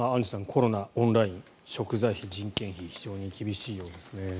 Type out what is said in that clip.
コロナ、オンライン食材費、人件費非常に厳しいようですね。